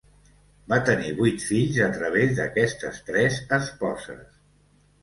Va tenir vuit fills a través d'aquestes tres esposes.